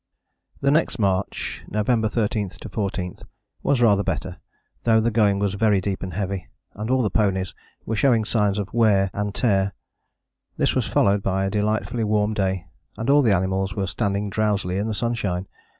The next march (November 13 14) was rather better, though the going was very deep and heavy, and all the ponies were showing signs of wear and tear. This was followed by a delightfully warm day, and all the animals were standing drowsily in the sunshine.